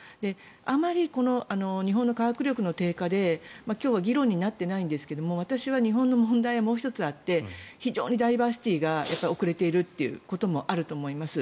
あまり日本の科学力の低下で今日は議論になっていないんですが私は日本の問題はもう１つあって非常にダイバーシティーが遅れているということもあると思います。